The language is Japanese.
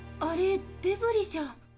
あれデブリじゃ。